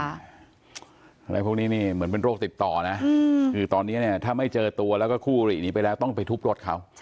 อะไรพวกนี้นี่เหมือนเป็นโรคติดต่อนะคือตอนนี้เนี่ยถ้าไม่เจอตัวแล้วก็คู่หลีหนีไปแล้วต้องไปทุบรถเขา